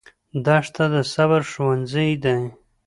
دښته د صبر ښوونځی دی.